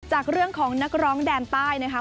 จากเรื่องของนักร้องแดนใต้นะคะ